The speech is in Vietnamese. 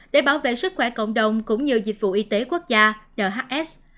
để bảo vệ sức khỏe cộng đồng cũng như dịch vụ y tế quốc gia nhs